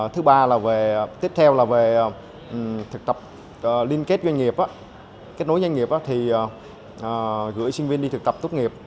thứ ba là về tiếp theo là về thực tập liên kết doanh nghiệp kết nối doanh nghiệp thì gửi sinh viên đi thực tập tốt nghiệp